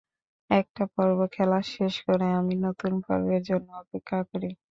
একটা পর্ব খেলা শেষ করে আমি নতুন পর্বের জন্য অপেক্ষা করি।